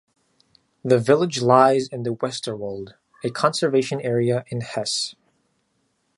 The village lies in the Westerwald, a conservation area in Hesse.